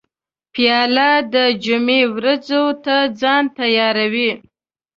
پیاله د جمعې ورځو ته ځان تیاروي.